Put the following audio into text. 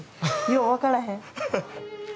よう分からへん。